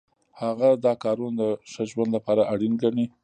هغه دا کارونه د ښه ژوند لپاره اړین ګڼي.